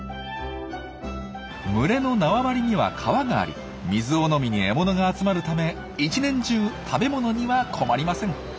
群れの縄張りには川があり水を飲みに獲物が集まるため一年中食べ物には困りません。